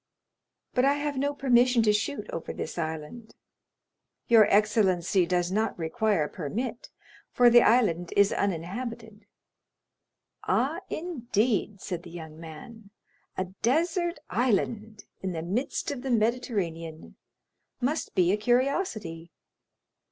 "But I have no permission to shoot over this island." "Your excellency does not require a permit, for the island is uninhabited." "Ah, indeed!" said the young man. "A desert island in the midst of the Mediterranean must be a curiosity."